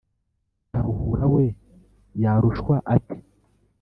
Karuhura we yarushwa ate